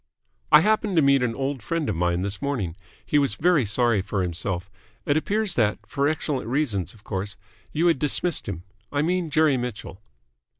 "I happened to meet an old friend of mine this morning. He was very sorry for himself. It appears that for excellent reasons, of course you had dismissed him. I mean Jerry Mitchell."